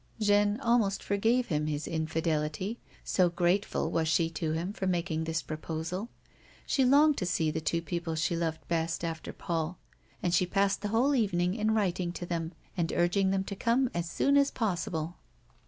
Jeanne almost forgave him his infidelity, so grateful was she to him for making this proposal. She longed to see the two people she loved best after Paul, and she passed the whole evening in writing to them, and urging them to come as soon as possible.